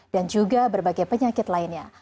dan juga berbagai penyakit lainnya